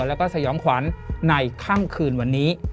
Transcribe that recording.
แล้วก็สยองขวัญในค่ำคืนวันนี้